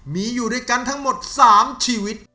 มีอยู่ด้วยกันทั้งหมด๓ชีวิต